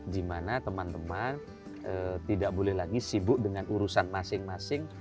di mana teman teman tidak boleh lagi sibuk dengan urusan masing masing